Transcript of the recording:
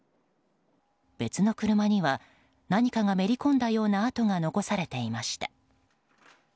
別の車には何かがめり込んだような跡が残されていました。